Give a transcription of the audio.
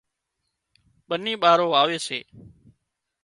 ٻنِي ٻارو واوي سي